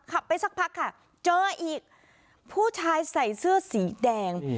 ไปสักพักค่ะเจออีกผู้ชายใส่เสื้อสีแดง